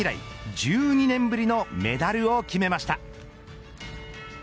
以来１２年ぶりのメダルを決めました。